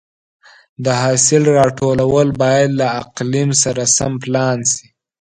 د حاصل راټولول باید له اقلیم سره سم پلان شي.